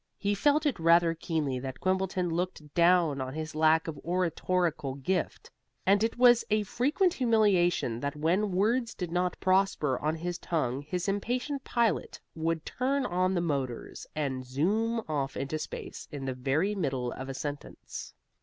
He felt it rather keenly that Quimbleton looked down on his lack of oratorical gift, and it was a frequent humiliation that when words did not prosper on his tongue his impatient pilot would turn on the motors and zoom off into space in the very middle of a sentence.